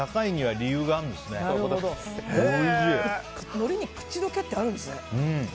のりに口溶けってあるんですね。